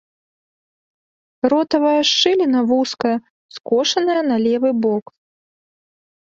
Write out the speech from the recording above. Ротавая шчыліна вузкая, скошаная на левы бок.